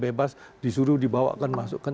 bebas disuruh dibawakan masukkan